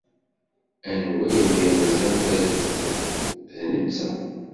Anwa i yerẓan tazewwut? D netta.